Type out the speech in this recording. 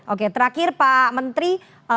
oke terakhir pak menteri